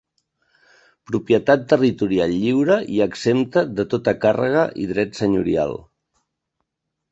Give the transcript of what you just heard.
Propietat territorial lliure i exempta de tota càrrega i dret senyorial.